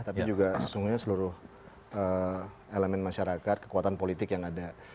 tapi juga sesungguhnya seluruh elemen masyarakat kekuatan politik yang ada